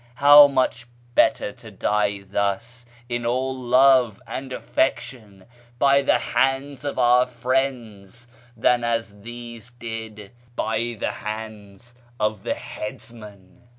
How much better to die thus, in all love and affection, by the hands of our friends than as these did by the hands of the headsman